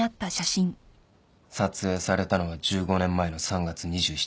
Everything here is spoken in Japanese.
撮影されたのが１５年前の３月２７日。